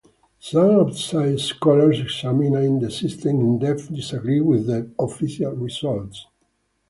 Some outside scholars examining the system in depth disagree with the "official" results.